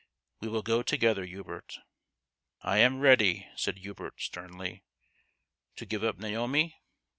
We will go together, Hubert." " I am ready," said Hubert, sternly. " To give up Naomi